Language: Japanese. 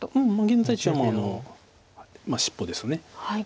現在地は尻尾です。